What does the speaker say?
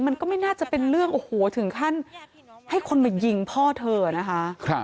มันก็ไม่น่าจะเป็นเรื่องโอ้โหถึงขั้นให้คนมายิงพ่อเธอนะคะ